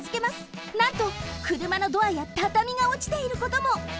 なんとくるまのドアやたたみがおちていることも！